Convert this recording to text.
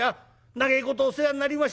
長えことお世話になりました。